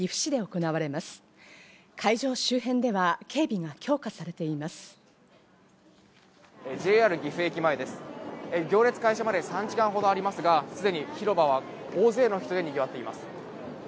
行列開始まで３時間ほどありますがすでに広場は大勢の人でにぎわっています。